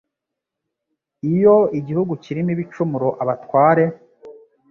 Iyo igihugu kirimo ibicumuro abatware